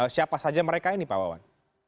siapa saja mereka ini pak wawan